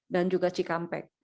dan juga cikampek